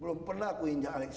belum pernah aku injak alex